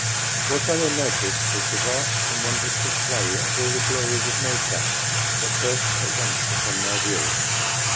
What I then noticed was the vast and wondrous display of all the glories of nature that burst at once upon my view.